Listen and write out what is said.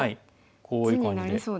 こういう感じで。